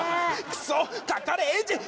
クソッかかれエンジン！